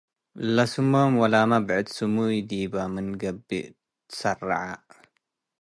ለስሞም ወላመ ብዕድ ስሙይ ዲበ ምን ገብእ ትሰረዐ ።